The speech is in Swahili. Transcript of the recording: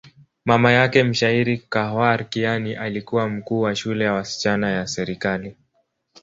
Mama yake, mshairi Khawar Kiani, alikuwa mkuu wa shule ya wasichana ya serikali.